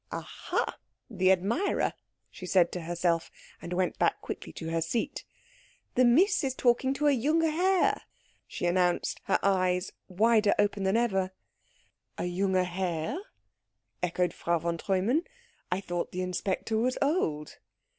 "Aha the admirer!" she said to herself; and went back quickly to her seat. "The Miss is talking to a jünge Herr," she announced, her eyes wider open than ever. "A jünge Herr?" echoed Frau von Treumann. "I thought the inspector was old?"